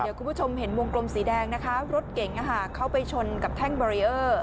เดี๋ยวคุณผู้ชมเห็นวงกลมสีแดงนะคะรถเก่งเข้าไปชนกับแท่งบารีเออร์